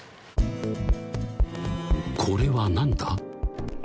これは何だ？